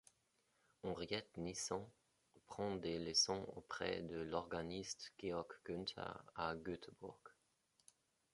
Henriette Nissen prend des leçons auprès de l'organiste Georg Günther à Göteborg.